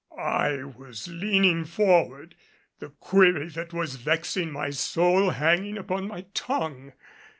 I was leaning forward, the query that was vexing my soul hanging upon my tongue.